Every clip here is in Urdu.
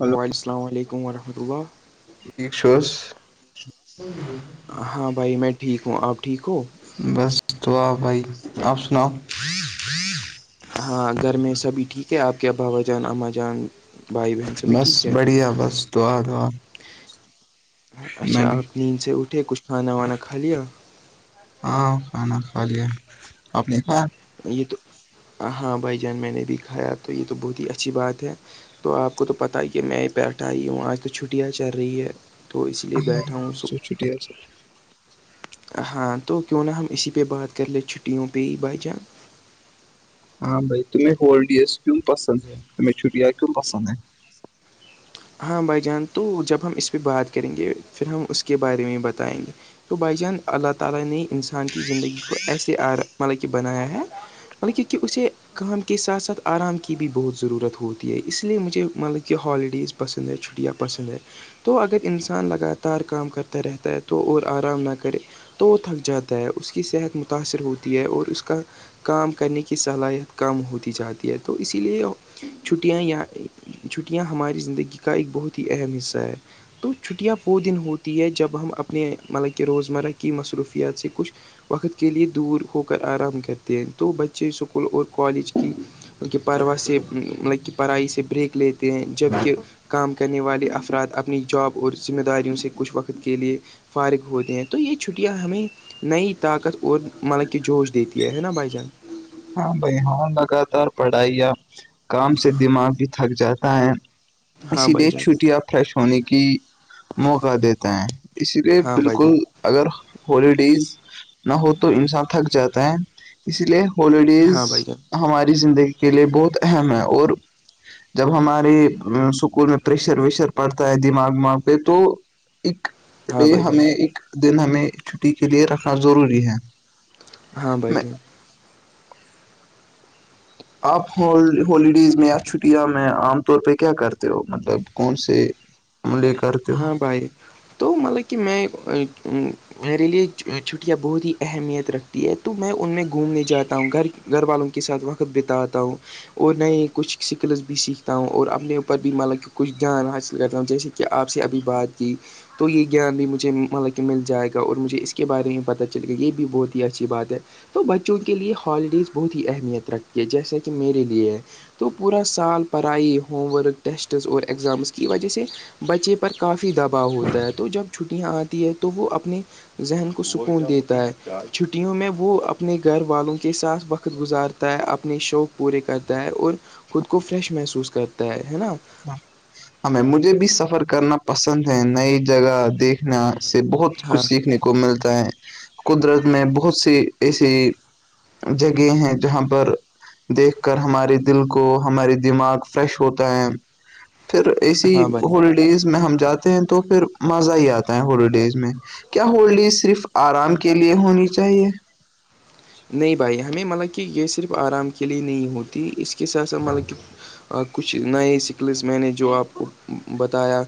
ہلو وعلیک السلام علیکم ورحمۃ اللہ ٹھیک چس [unintelligible] ہاں بھائی میں ٹھیک ہوں آپ ٹھیک ہو بس دعا بھائی آپ سناؤ ہاں گھر میں سبھی ٹھیک ہے آپ کے باوا جان اما جان بھائی بہن سبھی بس ٹھیک ہے بڑھیا بس دعا دعا اچھا میں بھی آپ نیند سے اٹھے کچھ کھانا وانا کھا لیا ہاں کھانا کھا لیا آپ نے کا یہ تو ہاں بھائی جان میں نے بھی کھایا تو یہ تو بہت ہی اچھی بات ہے تو آپ کو تو پتاہ ہی کہ میں ہی بیٹھا ہیئی ہوں آج تو چھٹیاں چل رہی ہے تو اس لیے بیٹھا ہوں سب چھٹیا ہاں تو کیوں نہا ہم اسی پہ بات کر لیں چھٹیوں پہ ہی بھ جان ہاں بھائی تمہیں ہولڈیز کیوں پسند ہے تمہیں چھٹیاں کیوں پسند ہیں ہاں بھائی جان تو جب ہم اس پہ بات کریں گے پھر ہم اس کے بارے میں بتائیں گے تو بھیجیں اللہتالا نے انسان کی زندگی کو ائسالگ بنایا ہے مطلب کیونک کہ اسے [unintelligible] کام کے ساتھ ساتھ آرام کی بھی بہت ضرورت ہوتی ہے اس لیے مجھے مطلب کہ ہالیڈیز پسند ہے چھٹیاں پسند ہے تو اگر انسان لگاتار کام کرتا رہتا ہے تو اور آرام نہ کرے تو وہ تھک جاتا ہے اس کی صحت متاثر ہوتی ہے اور اس کا کام کرنے کی صلاحیت کم ہوتی جاتی ہے تو اسی لیے چھٹیاں یا چھٹیاں ہماری زندگی کا ایک بہت ہی اہم حصہ ہے تو چھٹیاں وہ دن ہوتی ہے جب ہم اپنے مطلب کہ روزمرہ کی مصروفیات سے کچھ وقت کے لیے دور ہو کر آرام کرتے ہیں تو بچے اسکول اور کالج کی کہ پرڑوا سے مطلب کہ پڑھائی سے بریک لیتے ہیں جبکہ کام کرنے والے افراد اپنی جاب اور ذمہ داریوں سے کچھ وقت کے لیے فارغ ہوتے ہیں تو یہ چھٹیاں ہمیں نہیں طاقت اور مطلب کہ جوش دیتی ہے ہے نا بھ جان ہاں بھائی ہاں لگاتار پڑھائییا کام سے دماغ بھی تھک جاتا ہے ہاں اسی بھائی لیے جان چھٹیاں فریش ہونے کی موقع دیتا ہیں اس لیے ہاں بھائی بالکل جان اگر ہوالیڈیز نہ ہو تو انسان تھک جاتا ہے اس لیے ہالیڈیز ہاں بھائی جان ہماری زندگی کے لیے بہت اہم ہے اور جب ہماری اسکول میں پریشر ویشر پڑتا ہے دماغ وماغ پہ تو ایک ہاں ڈے بھائی جان ہمیں ایک دن ہمیں چھٹی کے لیے رکھنا ضروری ہے ہاں میں بھائیے آپ ہوالڈیز میں یا چھٹیاں میں عام طور پہ کیا کرتے ہو مطلب کون سے عملے کرتے ہاں ہو بھائی تو مطلب کہ میں میرے لیے چھٹیاں بہت ہی اہمیت رکھتی ہے تو میں ان میں گھومنے جاتا ہوں گھر گھر والوں کے ساتھ وقت بتاتا ہوں اور نئے کچھ سکلس بھی سیکھتا ہوں اور اپنے اوپر بھی مطلب کہ کچھ دھیاناصل کرتا ہوں جیسے کہ کیا آپ سے ابھی بات کی تو یہ گیان بھی مجھے مطلب کہ مل جائے گا اور مجھے اس کے بارے میں پتہ چلے گیا یہ بھی بہت ہی اچھی بات ہے تو بچوں کے لیے ہالیڈیز بہت ہی اہمیت رکھتی ہے جیسا کہ میرے لیے تو پورا سال پرڑائی ہوم ورک ٹیسٹس اور ایگزامس کی وجہ سے بچے پر کافی دباؤ ہوتا ہے تو جب چھٹیاں آتی ہے تو وہ اپنے ذہن کو سکون دیتا ہے چھٹیوں میں وہ اپنے گھر والوں کے ساتھ وقت گزار تا اپنے شوق پورے کرتا ہے اور خود کو فریش محسوس کرتا ہے ہے نا ہم مجھے بھی سفر کرنا پسند ہے نئی جگہ دیکھ سنا سے بہت ہاں کچھ سیکھنے کو ملتا ہے قدرت میں بہت سے ایسے جگہ ہیں جہاں پر دیکھ کر ہمارے دل کو ہمارے دماغ فریش ہوتا ہے پھر ایسی ہاں بھائی ہولی ڈز میں ہم جاتے ہیں تو پھر مزہ ہی آتا ہے ہولیڈیز میں کیا ہولڈی صرف آرام کے لیے ہونی چاہیے نہیں بھائی ہمیں مطلب کہ یہ صرف آرام کے لیے نہیں ہوتی اس کے ساتھ ساتھ مطلب کہ اور کچھ نئے اسکلس میں نے جو آپ کو بتایا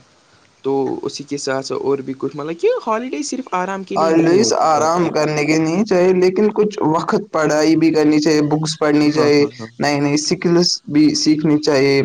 تو اسی کے ساتھ س اور بھی کچھ مطلب کہ ہالیڈی صرف آرام کے لیے ہر نہیں لوئس ہوتی آرام بلکہ کرنے کے لی چاہ لیکن کچھ وقت پڑھائی بھی کرنی چاہیے بکس پڑھنی ہاں چاہے ہاں ہاں نئی نئی س کل بھی سیکھنی چاہیے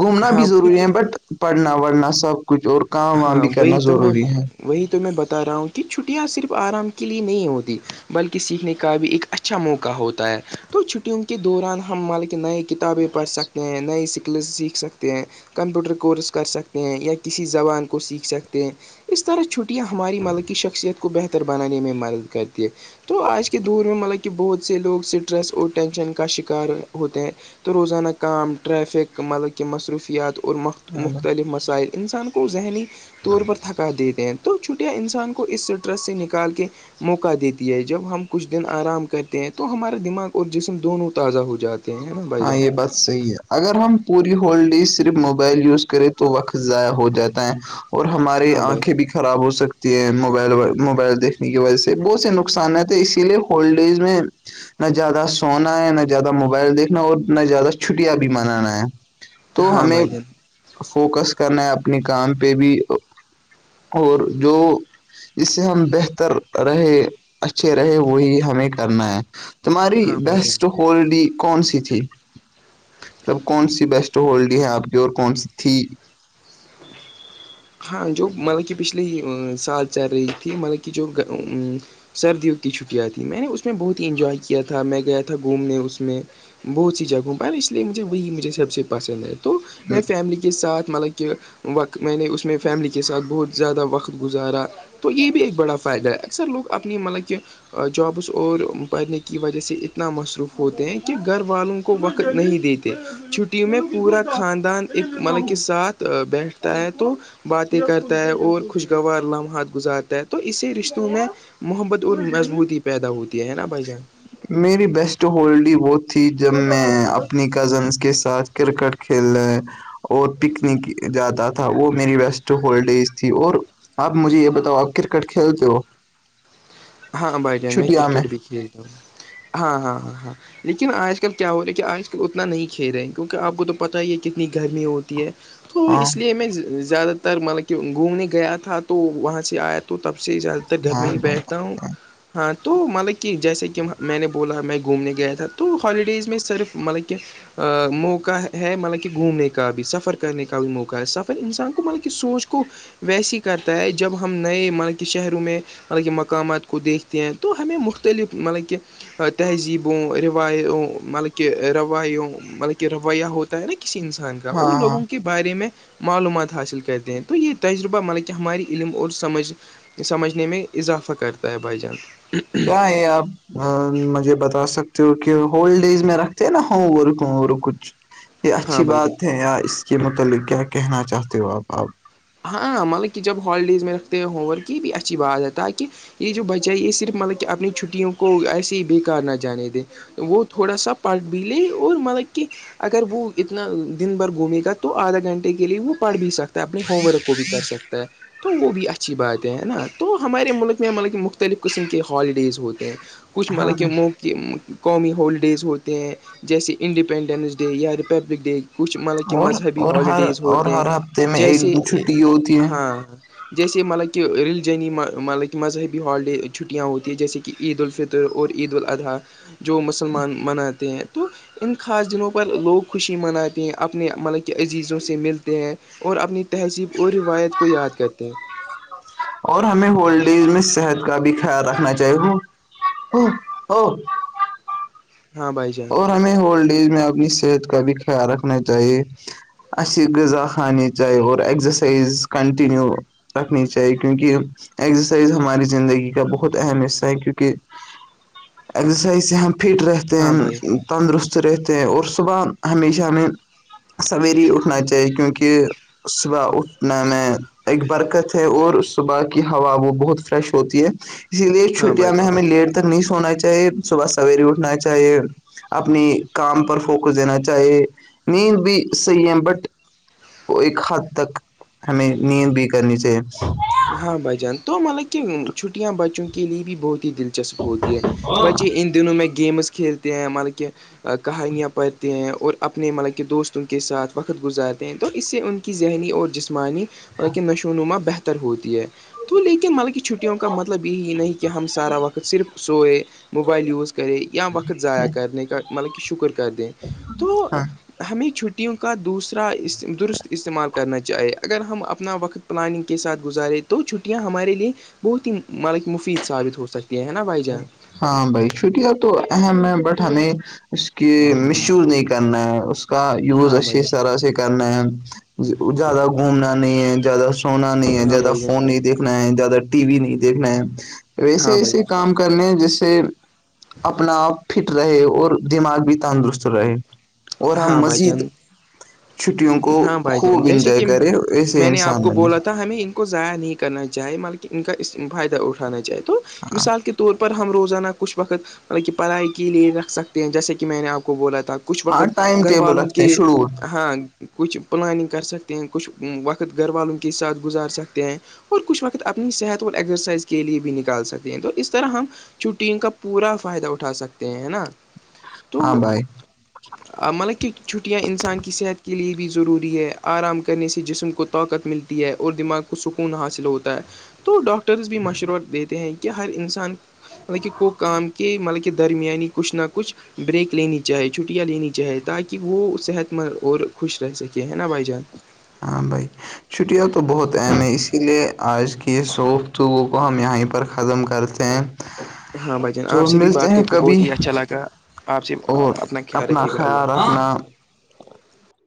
گھومنا بھی ہاں وہی ضروری تو ہے بٹ پڑھنا وڑھنا سب کچھ اور کام وام ہاں بھی وہی کرنا تو میں ضروری ہے وہی تو میں بتا رہا ہوں کہ چھٹیاں صرف آرام کے لیے نہیں ہوتی بلکہ سیکھنے کا بھی ایک اچھا موقع ہوتا ہے تو چھٹیوں کے دوران ہم مالک نئی کتابیں پڑھ سکتے ہیں نئی اسکلز سیکھ سکتے ہیں کمپیوٹر کورس کر سکتے ہیں یا کسی زبان کو سیکھ سکتے ہیں اس طرح چھٹیاں ہماری مل کی شخصیت کو بہتر بنانے میں مدد کرتی ہے تو آج کے دور میں مطلب کہ بہت سے لوگ اسٹریس اور ٹینشن کا شکار ہوتے ہیں تو روزانا کام ریفک مطلب کہہ مصروفیات اورخت ہاں بھائی مختلف مسائل انسان کو ذہنی طور پر تھکا دیتے ہیں تو چھوٹیا انسان کو اس اسٹریس سے نکال کے موقع دیتی ہے جب ہم کچھ دن آرام کرتے ہیں تو ہمارا دماغ اور جسم دونوں تازہ ہو جاتا ہاں یہ بس صحیح ہے اگر ہم پوری ہول ڈی صرف موبائل یوز کریں تو وقت ضائع ہو جاتا ہے اور ہماراری ہاں بھائی آنکھیں بھی خراب ہو سکتی ہے موبائل موبائل دیکھنے کی وجہ سے بہت سے نقصانات ہیں اسی لیے ہولڈیز میں نہ زیاد سونا ہے نہ زیادہ دیکھنا اور اتنا زیادہ چھٹیاں بھی منانا ہے تو ہاں ہمیں بھائی جان فوکس کرنا ہے اپنے کام پہ بھی اور جو سے ہم بہتر رہے اچھے رہے وہی ہمیں کرنا ہے تاری ہاں بھائی جان بیسٹ ہولڈی کون سی تھی مطلب کون سی بیسٹ ہولڈی ہے آپ کی اور کون سی تھی ہاں جو مطلب کہ پچھلے سال چل رہی تھی مطلب کہ جو سردیوں کی چھٹیاں تھیں میں نے اس میں بہت ہی انجوائے کیا تھا میں گیا تھا گھومنے اس میں بہت سی جگہوں اس لیے مجھے وہی مجھے سب سے پسند ہے تو میں فیملی کے ساتھ مطلب کہ وقت میں نے اس اس میں فیملی کے ساتھ بہت زیادہ وقت گزارا تو یہ بھی ایک بڑا فائدہ ہے اکثر لوگ اپنی مطلب کہ جابس اور پڑھنے کی وجہ سے اتنا مصروف ہوتے ہیں کہ گھر والوں کو وقت نہیں دیتے چھٹی میں پورا خاندان ایک مطلب کے ساتھ بیٹھتا ہے تو باتیں کرتا ہے اور خوشگوار لمحات گزارتا ہے تو اسی رشتوں میں محبت اور مضبوطی پیدا ہوتی ہے نا بھائی جان میری بیسٹ ہولڈی وہ تھی جب میں اپنی کزنس کے ساتھ کرکٹ کھیلنے اور پکنک جاتا تھا وہ میری بیسٹ ہولڈیج تھی اور آپ مجھے یہ بتاؤ آپ کرکٹ کھیلتے ہو ہاں بھائی جان میں کرکٹ بھی کھیلتا ہوں ہاں ہاں ہاں ہاں لیکن آج کل کیا ہو رہا ہے کہ آج کل اتنا نہیں کھی رہے ہیں کیونکہ آپ کو تو پتا ہی ہے کتنی گرمی ہوتی ہے تو ہاں اس لیے میں زیادہ تر مطلب کہ گھومنے گیا تھا تو وہاں سے آیا تھا تو تب سے زیادہ تر گھر ہاں میں ہی بیٹھتا ہوں ہاں ہاں تو مطلب کہ جیسے کہ میں نے بولا میں گھومنے گیا تھا تو ہالیڈیز میں صرف مطلب کہ موقع ہے مطلب کہ گھومنے کا بھی سفر کرنے کا بھی موقع ہے سفر انسان کو مطلب کہ سوچ کو ویسے ہی کرتا ہے جب ہم نئے مطلب کہ شہروں میں مطلب کہ مقامات کو دیکھتے ہیں تو ہمیں مختلف مطلب کہ تہذیبوں روایوں مطلب کہ روایوں مطلب کہ رویہ ہوتا ہے نا کسی انسان کا ان ہاں لووں کے بارے میں معلومات حاصل کرتے ہیں تو یہ تجربہ مطب کہ ہماری علم اور سمجھ سمجھنے میں اضافہ کرتا ہے بھائی جان کیا ہے آپ مجھے بتا سکتے ہو کہ ہول ڈیز میں رکھتے ہیں نا ہوم ورک ہوور کچھ یہ ہاں اچھی بھائی جان بات ہے یا اس کے متعلق کیا کہنا چاہتے ہو آپ آپ ہاں مطلب کہ جب ہالیڈیز میں رکھتے ہو ہوم ورک کی بھی اچھی بات ہے تاکہ یہ جو بچہ ہے یہ صرف مطلب کہ اپنی چھٹیوں کو ایسے ہی بے کار نہ جانے دے وہ تھوڑا سا پڑھ بھی لے اور مطلب کہ اگر وہ اتنا دن بھر گھومے گا تو آدھا گھنٹے کے لیے وہ پڑھ بھی سکتا ہے اپنے ہوم ورک کو بھی کر سکتا ہے تو وہ بھی اچھی بات ہے نا تو ہمارے ملک میں مطلب کہ مختلف قسم کے ہالیڈیز ہوتے ہیں کچھ ہاں مطلب کم کہ قومی ہالیڈیز ہوتے ہیں جیسے انڈیپنڈنس ڈے یا ریپبلک ڈے کچھ مطلب کہ اور مذہبی اور ہر ہالیڈیز اور ہوتے ہیں ہر ہفتے میں ایک جیسے دن چھٹی ہوتی ہے ہاں جیسے مطلب کہ ریلیجنی مطلب کہ مذہبی ہالیڈے چھٹیاں ہوتی ہیں جیسے کہ عید الفطر اور عید الاضحی جو مسلمان مناتے ہیں تو ان خاص دنوں پر لوگ خوشی مناتے ہیں اپنے مطلب کہ عزیزوں سے ملتے ہیں اور اپنی تہذیب اور روایت کو یاد کرتے ہیں اور ہمیں ہول ڈیز میں صحت کا بھی خیال رکھنا چاہیے ہو ہاں بھائی جان اور ہمیں ہولڈ ایج میں اپنی صحت کا بھی خیال رکھنا چاہیے اس غذا خانے چاہیے اور ایگزرسائز کنٹنیو رکھنی چاہیے کیونکہ ایکزرسائز ہماری زندگی کا بہت اہم حصہ ہے کیونکہ ازرسائز سے ہم فٹ رہتے ہاں بھائی ہیں تندرست رہتے ہیں اور صبح ہمیشہ میں سوییر ہی اٹھنا چاہیے کیونکہ صبح اٹھنا میں ایک برکت ہے اور صبح کی ہوا وہ بہت فریش ہوتی ہے اسی لیے ہاں بھائی چھٹیاں میں جان ہمیں لیٹ تک نہیں سونا چاہیے صبح سویرے اٹھنا چاہیے اپنی کام پر فوکس دینا چاہیے نیند بھی صحیح ہے بٹ وہ ایک حد تک ہمیں نینینت بھی کرنی چاہیے ہاں بھ جان تو مطلب کہ چھٹیاں بچوں کے لیے بھی بہت دلچسپ ہوتی ہے بچے ان دنوں میں گیمز کھیلتے ہیں ملب کہ کہانیاں پڑھتے ہیں اور اپنے مطلب کہ دوستوں کے ساتھ وقت گزارتے ہیں تو اس سے ان کی ذہنی اور جسمانیط کی نشو و نما بہتر ہوتی ہے تو لیکن مطلب کہ چھٹیوں کا مطلب یہی نہیں کہ ہم سارا وقت صرف سوئے موبائل یوز کرے یا وقت ضائع کرنے کا مطلب کہ شکر کر دیں تو ہاں ہمیں چھٹیوں کا دوسرا درست استعمال کرنا چاہیے اگر ہم اپنا وقت پلاننگ کے ساتھ گزارے تو چھٹیاں ہمارے لیے بہت ہی ملک مفید ثابت ہو سکتی ہیں نا بھائی جان ہاں بھائی چھٹیاں تو اہم ہے بٹ ہمیں اس کی مس یوز نہیں کرنا ہے اس اس کا یوز ہاں بھائی اچھی جان طرح سے کرنا ہے زیادہ گھومنا نہیں ہے زیادہ سنا نہیں ہے ہاں زیادہ بھائی جان فون نہیں دیکھنا ہے زیادہ ٹی وی نہیں دیکھنا ہے ایسے ہاں بھائی ایسے کام کرنے جیسے اپنا آپ فٹ رہے اور دماغ بھی تندرست رہے اور ہم ہاں بھائی مزید جان چھٹیوں کو ہاں بھائی خوب جان جیسے انجوائے کہ کرے ایسے میں نے انسان آپ کو بنے بولا ہمیں ان کو ضائع نہیں کرنا چاہیے مل ان کا فائدہ اٹھانا چاہے تو ہاں مثال کے طور پر ہم روزانہ کچھ وقت مطلب کہ پڑھائی کے لیے رکھ سکتے ہیں جیسے کہ میں نے آپ کو بولا تھا کچھ ہاں وقت ٹائم گھر ٹیبل والوں رکھتے ہیں کی شیڈول ہاں کچھ پلاننگ کر سکتے ہیں کچھ وقت گھر والوں کے ساتھ گزار سکتے ہیں اور کچھ وقت اپنی صحت اور ایگزرسائز کے لیے بھی نکال سکتے ہیں تو اس طرح ہم چوٹین کا پورا فائدہ اٹھا سکتے ہیں ہے نا ہاں تو بھائی مطلب کہ چھٹیاں انسان کی صحت کے لیے بھی ضروری ہے آرام کرنے سے جسم کو طاقت ملتی ہے اور دماغ کو سکون حاصل ہوتا ہے تو ڈاکٹرز بھی مشورہ دیتے ہیں کہ ہر انسان مطلب کہ کو کام کے مطلب کے درمیانی کچھ نہ کچھ بریک لینی چاہی چ چیاں لینی چاہے تاکہ وہ صحت مند اور خوش رہ سکے ہے نا بھائی جان ہ بھائی چھٹیاں تو بہت اہم ہیں اسی لیے آج کی سوف توگ کو ہم یہیں پر ختم کرتے ہیں [unintelligible] [unintelligible] ہاں بھائی جان [unintelligible] تو آپ سے بھی ملتے بات کر ہیں کے کبھی بہت ہی اچھا لگا آپ سے اور اپنا خیال اپنا رکھیے گا اللہ خیال حافظ رکھنا